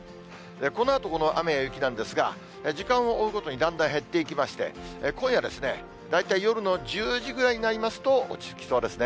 このあとこの雨や雪なんですが、時間を追うごとにだんだん減っていきまして、今夜、大体夜の１０時ぐらいになりますと、落ち着きそうですね。